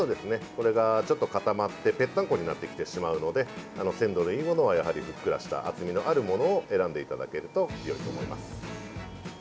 これがちょっと固まってぺったんこになってきてしまうので鮮度のいいものは、やはりふっくらした厚みのあるものを選んでいただけるとよいと思います。